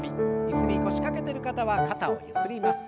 椅子に腰掛けてる方は肩をゆすります。